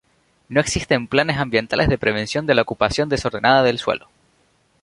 No existen planes ambientales de prevención de la ocupación desordenada del suelo.